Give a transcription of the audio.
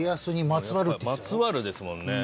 まつわるですもんね。